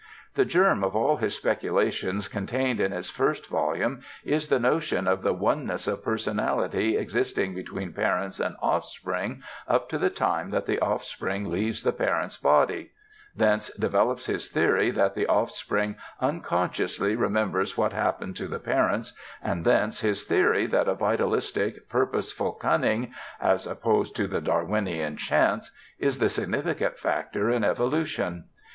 The germ of all his speculations, contained in his first volume, is the notion of "the oneness of personality existing between parents and offspring up to the time that the offspring leaves the parent's body"; thence develops his theory that the offspring "unconsciously" remembers what happened to the parents; and thence his theory that a vitalistic purposeful cunning, as opposed to the Darwinian chance, is the significant factor in evolution.